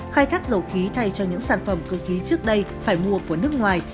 khai thác dầu khí thay cho những sản phẩm cơ khí trước đây phải mua của nước ngoài